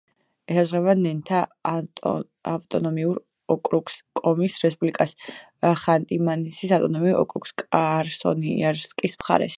ესაზღვრება ნენთა ავტონომიურ ოკრუგს, კომის რესპუბლიკას, ხანტი-მანსის ავტონომიურ ოკრუგს, კრასნოიარსკის მხარეს.